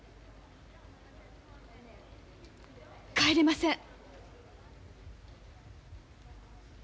帰れません！